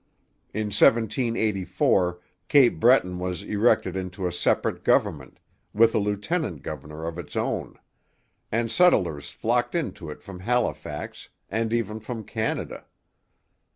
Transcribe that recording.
In 1784 Cape Breton was erected into a separate government, with a lieutenant governor of its own; and settlers flocked into it from Halifax, and even from Canada.